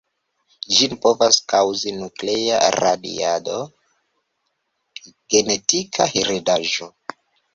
Ĝin povas kaŭzi nuklea radiado, genetika heredaĵo.